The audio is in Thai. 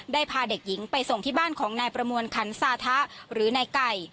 พาเด็กหญิงไปส่งที่บ้านของนายประมวลขันสาธะหรือนายไก่